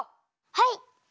はい！